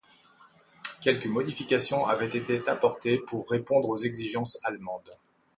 Quelques modifications avaient été apportées pour répondre aux exigences allemandes.